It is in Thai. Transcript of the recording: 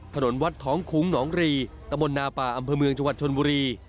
ถนนวัดท้องคุ้งหนองรีตะบนนาป่าอำเภอเมืองจังหวัดชนบุรี